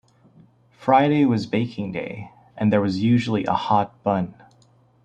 Friday was baking day, and there was usually a hot bun.